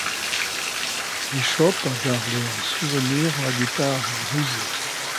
Bishop a gardé en souvenir la guitare brisée.